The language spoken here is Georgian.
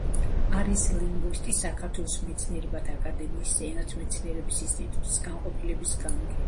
არის ლინგვისტი, საქართველოს მეცნიერებათა აკადემიის ენათმეცნიერების ინსტიტუტის განყოფილების გამგე.